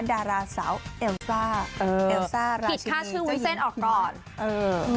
ดาราสาวเอลซ่าราชิมิขีดท่าชื่อวุ้นเซนออกก่อน